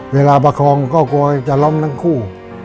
เวลาประคองก็กลัวจะล้อมนังคู่